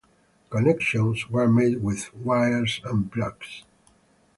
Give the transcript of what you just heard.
Connections were made with wires and plugs.